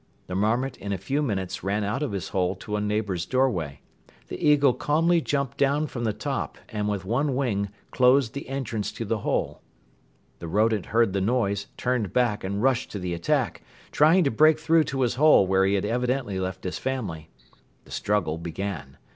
The marmot in a few minutes ran out of his hole to a neighbor's doorway. The eagle calmly jumped down from the top and with one wing closed the entrance to the hole. The rodent heard the noise, turned back and rushed to the attack, trying to break through to his hole where he had evidently left his family. The struggle began.